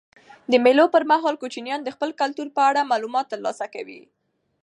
د مېلو پر مهال کوچنيان د خپل کلتور په اړه معلومات ترلاسه کوي.